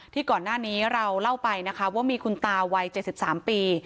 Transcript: ก่อนหน้านี้เราเล่าไปนะคะว่ามีคุณตาวัย๗๓ปี